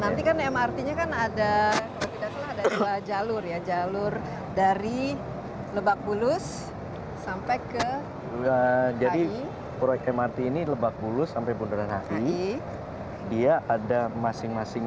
dari lebak bulus sampai ke jadi proyek mrt ini lebak bulus sampai bundaran hi dia ada masing masing